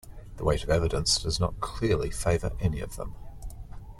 The weight of evidence does not clearly favor any of them.